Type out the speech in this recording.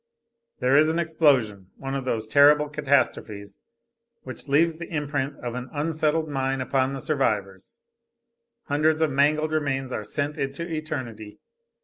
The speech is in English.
There is an explosion, one of those terrible catastrophes which leave the imprint of an unsettled mind upon the survivors. Hundreds of mangled remains are sent into eternity.